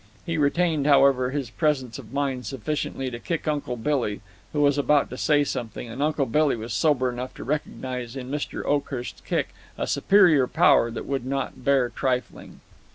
He retained, however, his presence of mind sufficiently to kick Uncle Billy, who was about to say something, and Uncle Billy was sober enough to recognize in Mr. Oakhurst's kick a superior power that would not bear trifling.